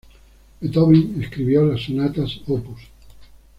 Beethoven escribió las sonatas op.